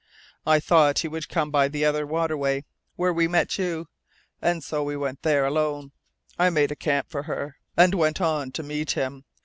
I thought he would come by the other waterway, where we met you. And so we went there, alone. I made a camp for her, and went on to meet him.